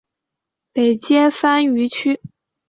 北接番禺区。